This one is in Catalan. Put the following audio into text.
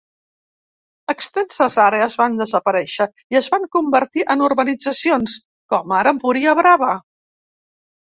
Extenses àrees van desaparèixer i es van convertir en urbanitzacions, com ara Empuriabrava.